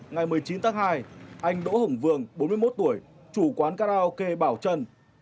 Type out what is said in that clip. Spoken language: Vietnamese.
ngày một mươi chín tháng hai anh đỗ hồng vương bốn mươi một tuổi chủ quán karaoke bảo trân